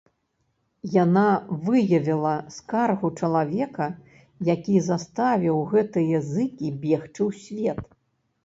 Яна выявіла скаргу чалавека, які заставіў гэтыя зыкі бегчы ў свет.